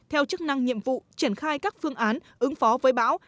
theo chức năng nhiệm vụ triển khai các phương án ứng phó với bão